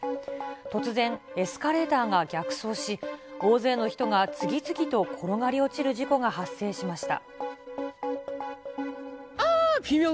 突然、エスカレーターが逆走し、大勢の人が次々と転がり落ちる事故が発生しました。